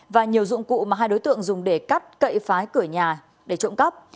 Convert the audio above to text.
và nhiều dụng cụ mà hai đối tượng dùng để cắt cậy phái cửa nhà để trộm cắp